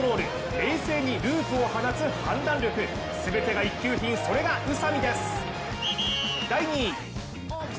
冷静にループを放つ判断力、全てが一級品、それが宇佐美です。